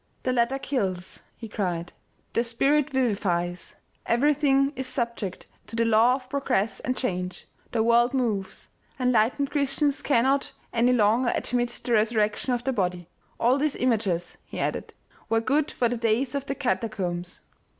"The letter kills," he cried, " the spirit vivifies ! Everything is subject to the law of progress and change. The world moves. En lightened Christians cannot any longer admit the resur rection of the body. All these images," he added, u were good for the days of the catacombs.